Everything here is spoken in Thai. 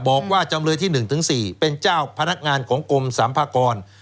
บอกว่าจำเลยที่๑๔เป็นเจ้าพนักงานของกรมสัมภากร